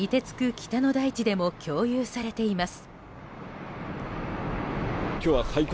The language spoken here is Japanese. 北の大地でも共有されています。